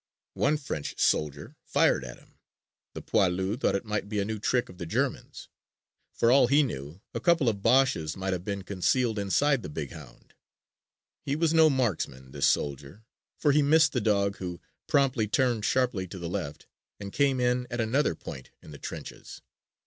One French soldier fired at him. The poilu thought it might be a new trick of the Germans. For all he knew a couple of Boches might have been concealed inside the big hound. He was no marksman, this soldier, for he missed the dog who promptly turned sharply to the left and came in at another point in the trenches.